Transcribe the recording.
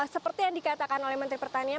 seperti yang dikatakan oleh menteri pertanian